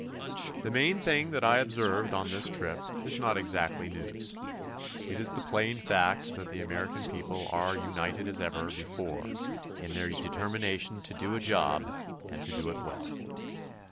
The main thing that I observed on this trip is not exactly news. It is the plain fact that the American people are united as never before in their determination to do a job and to do it well.